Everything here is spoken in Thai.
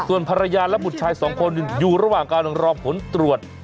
ส่วนภรรยาและบุตรชายสองคนอยู่ระหว่างการรอผลตรวจ